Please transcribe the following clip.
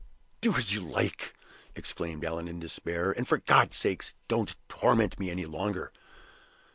"Do as you like!" exclaimed Allan, in despair. "And, for God's sake, don't torment me any longer!"